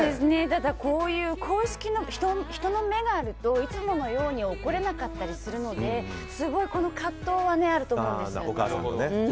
ただ、こういう公式の人の目があるといつものように怒れなかったりするのですごい葛藤はあると思うんですよね。